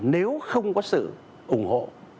nếu không có sự ủng hộ